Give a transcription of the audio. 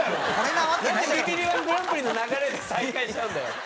なんでビビリ−１グランプリの流れで再会しちゃうんだよ。